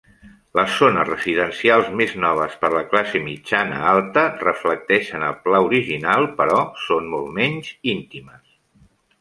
Les zones residencials més noves per la classe mitjana-alta reflecteixen el pla original, però són molt menys íntimes.